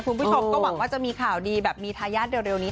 คุณผู้ชมก็หวังว่าจะมีข่าวดีแบบมีทายาทเร็วนี้